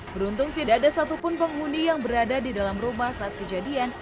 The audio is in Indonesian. beruntung tidak ada satupun penghuni yang berada di dalam rumah saat kejadian